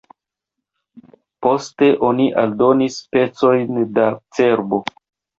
Poste oni aldonas pecojn da cerbo.